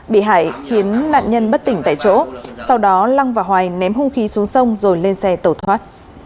bị hải khiến nạn nhân bất tỉnh tại chỗ sau đó long và hoài ném hung khí xuống sông rồi lên xe tẩu thoát